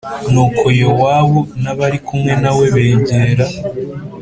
Nuko Yowabu n abari kumwe na we begera